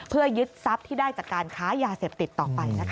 เพื่อยึดทรัพย์ที่ได้จากการค้ายาเสพติดต่อไปนะคะ